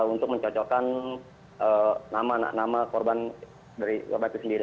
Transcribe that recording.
untuk mencocokkan nama nama korban dari korbannya sendiri